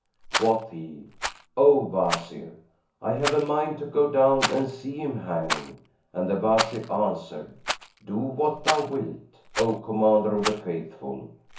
Quoth he, "O Wazir, I have a mind to go down and see him hanging;" and the Wazir answered, "Do what thou wilt, O Commander of the Faithful."